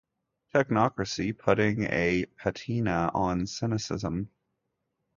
Technocracy putting a patina on cynicism.